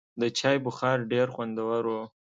د چای بخار ډېر خوندور و.